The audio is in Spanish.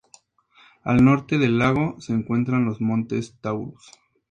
Al norte del lago se encuentran los Montes Taurus.